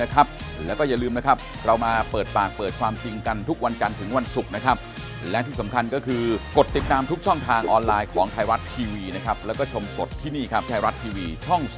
กรณีภักษ์เพื่อไทยเนี่ย